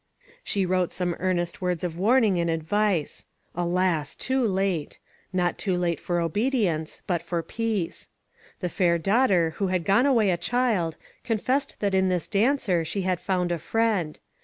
She wrote some earnest words of warning and advice. Alas, too late ! Not too late for obedience, but for peace. The fair daughter, who had gone away a child, confessed that in this dancer she had found a friend.